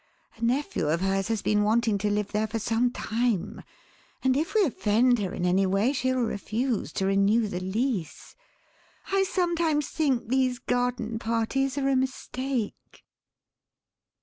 A nephew of hers has been wanting to live there for some time, and if we offend her in any way she'll refuse to renew the lease. I sometimes think these garden parties are a mistake."